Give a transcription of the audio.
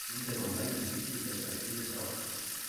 Cuenta con vainas dísticas parecidas a hojas.